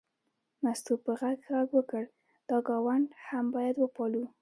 مستو په غږ غږ وکړ دا ګاونډ هم باید وپالو.